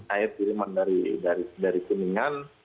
air tiriman dari kuningan